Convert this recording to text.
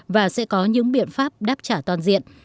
và sẽ có những biện pháp đáp trả toàn diện